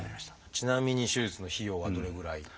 ちなみに手術の費用はどれぐらい？